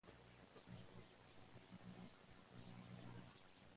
El aparato quedó totalmente destruido en el impacto.